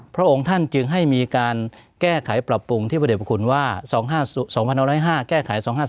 พระองค์ท่านจึงให้มีการแก้ไขปรับปรุงที่พระเด็บพระคุณว่า๒๕๐๕แก้ไข๒๕๓